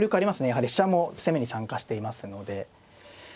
やはり飛車も攻めに参加していますので。